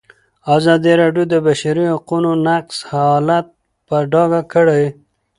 ازادي راډیو د د بشري حقونو نقض حالت په ډاګه کړی.